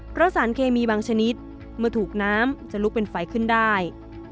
เพราะสารเคมีบางชนิดเมื่อถูกน้ำจะลุกเป็นไฟขึ้นได้